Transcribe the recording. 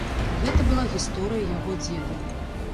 Гэта была гісторыя яго дзеда.